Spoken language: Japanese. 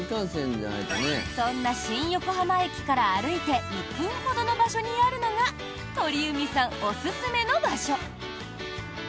そんな新横浜駅から歩いて１分ほどの場所にあるのが鳥海さんおすすめの場所。